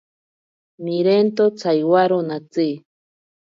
Nirento tsaiwaro onatsi.